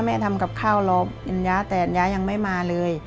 แม่ทำกับข้าวรออันยะแต่อันยะยังไม่มาเลย